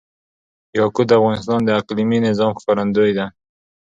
یاقوت د افغانستان د اقلیمي نظام ښکارندوی ده.